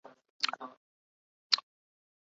اور آپ کے ساتھ آپ کی ازواج بیٹھی خوش ہو رہی تھیں